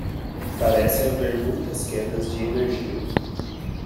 Parece haver muitas quedas de energia.